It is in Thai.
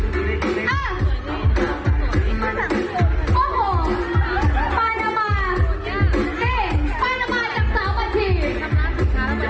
พรุ่งนี้อาทิตย์หน้ากลับมาเจอครับแน่นอนค่ะ